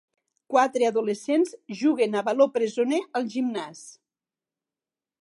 Quatre adolescents juguen a baló presoner al gimnàs.